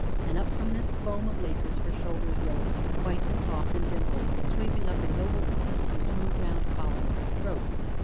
And up from this foam of laces her shoulders rose, white, and soft, and dimpled, sweeping up in noble lines to the smooth round column of her throat.